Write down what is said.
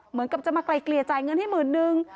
เหมือนกับจะมาไกลเกลี่ยจ่ายเงินให้หมื่นนึง